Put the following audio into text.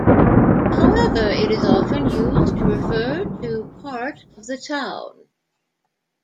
However, it is often used to refer to part of the town.